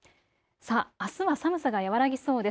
あすは寒さが和らぎそうです。